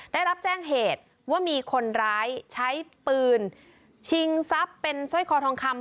ได้รับแจ้งเหตุว่ามีคนร้ายใช้ปืนชิงทรัพย์เป็นสร้อยคอทองคำ